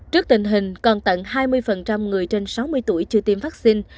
trước tình hình còn tận hai mươi người trên sáu mươi tuổi chưa tiêm vaccine